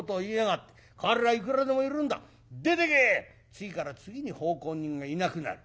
次から次に奉公人がいなくなる。